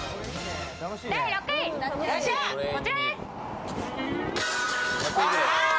第６位、こちらです。